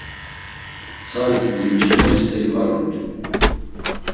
Mtsa, limcineri st̆eri var ort̆u.